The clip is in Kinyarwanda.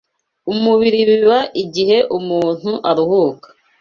umubiri biba igihe umuntu aruhuka